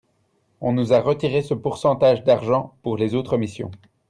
on nous a retiré ce pourcentage d'argent pour les autres missions.